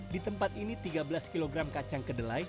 di tempat ini tiga belas kg kacang kedelai